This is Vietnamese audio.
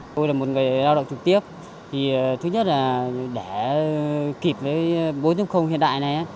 tôi là một người lao động trực tiếp thứ nhất là để kịp với bốn hiện đại này